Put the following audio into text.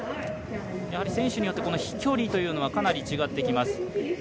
やはり選手によって飛距離というのはかなり違ってきます。